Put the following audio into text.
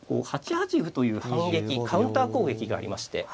８八歩という反撃カウンター攻撃がありまして。